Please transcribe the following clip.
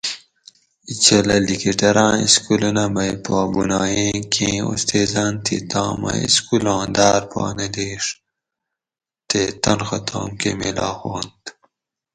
اِچھلہ لِکِٹیراٞں اِسکولونہ مئ پا بُنایٔیں کیں اُستیزاٞن تھی توم اٞ اِسکولاں داٞر پا نہ لِیݭ تے تنخہ توم کٞہ میلا ہُوانت